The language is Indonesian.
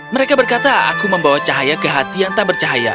mereka berkata aku membawa cahaya ke hati yang tak bercahaya